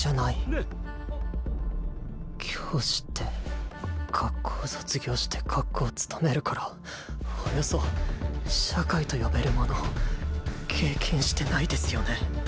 教師って学校卒業して学校勤めるからおよそ社会と呼べるものを経験してないですよね？